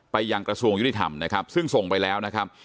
ยังกระทรวงยุติธรรมนะครับซึ่งส่งไปแล้วนะครับ